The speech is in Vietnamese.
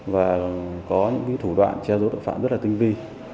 và có những thủ đoạn che giấu tội phạm rất là tinh vi